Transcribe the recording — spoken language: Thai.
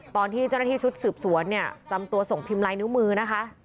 ตอนที่เจ้าหน้าที่ชุดสืบสวนเนี่ยจำตัวส่งพิมพ์ลายนิ้วมือนะคะ